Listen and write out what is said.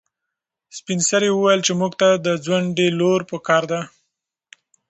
سپین سرې وویل چې موږ ته د ځونډي لور په کار ده.